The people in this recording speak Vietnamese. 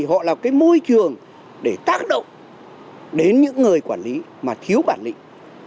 họ là cái môi trường để tác động đến những người quản lý mà thiếu bản lĩnh